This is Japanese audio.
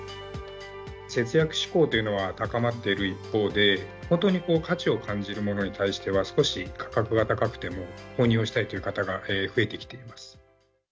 節約志向というのが高まっている一方で、本当に価値を感じるものに対しては、少し価格が高くても購入をしたいという方が増えてきています。